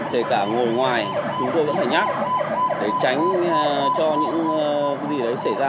kể cả ngồi ngoài chúng tôi vẫn phải nhắc để tránh cho những gì đấy xảy ra